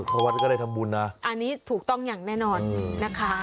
เพราะวัดก็ได้ทำบุญนะอันนี้ถูกต้องอย่างแน่นอนนะคะ